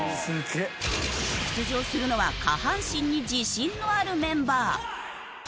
出場するのは下半身に自信のあるメンバー。